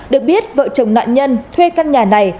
được biết vợ chồng nạn nhân thuê căn nhà này